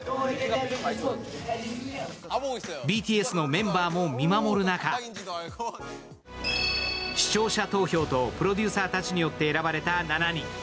ＢＴＳのメンバーも見守る中、視聴者投票とプロデューサーたちによって選ばれた７人。